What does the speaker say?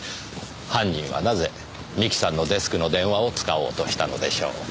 犯人はなぜ三木さんのデスクの電話を使おうとしたのでしょう？